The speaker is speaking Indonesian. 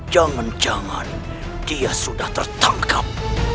jangan jangan dia sudah tertangkap